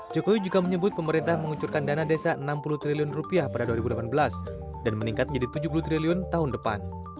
jokowi juga menyebut pemerintah mengucurkan dana desa rp enam puluh triliun rupiah pada dua ribu delapan belas dan meningkat menjadi tujuh puluh triliun tahun depan